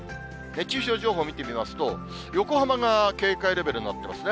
熱中症情報見てみますと、横浜が警戒レベルになってますね。